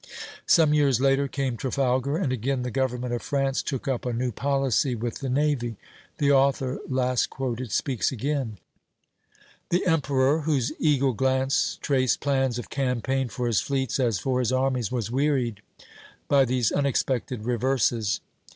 " Some years later came Trafalgar, and again the government of France took up a new policy with the navy. The author last quoted speaks again: "The emperor, whose eagle glance traced plans of campaign for his fleets as for his armies, was wearied by these unexpected reverses.